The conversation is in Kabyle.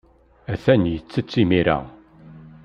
Atan yettett imir-a.